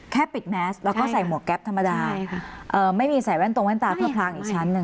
ปิดแมสแล้วก็ใส่หมวกแก๊ปธรรมดาไม่มีใส่แว่นตรงแว่นตาเพื่อพลางอีกชั้นหนึ่ง